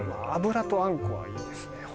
油とあんこはいいですね